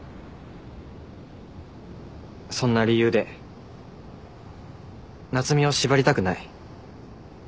そんな理由で夏海を縛りたくない。